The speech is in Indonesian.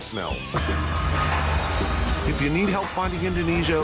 jika anda membutuhkan bantuan untuk mencari indonesia